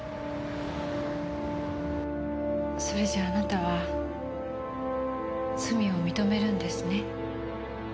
それじゃああなたは罪を認めるんですね？